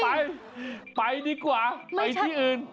ไปไปดีกว่าไปที่อื่น